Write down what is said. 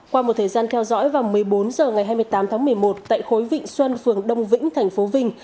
qua một thời gian theo dõi vào một mươi bốn h ngày hai mươi tám tháng một mươi một tại khối vịnh xuân phường đông vĩnh thành phố vinh